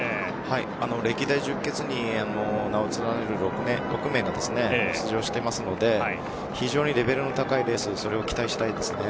歴代十傑に名を連ねる６名の出場していますから非常にレベルが高いレースを期待したいです。